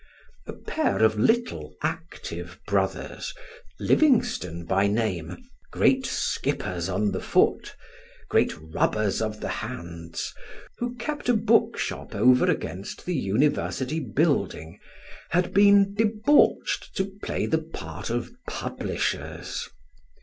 A pair of little, active brothers Livingstone by name, great skippers on the foot, great rubbers of the hands, who kept a book shop over against the University building had been debauched to play the part of publishers.